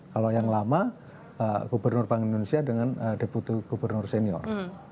kalau yang lama gubernur bank indonesia dengan deputi gubernur senior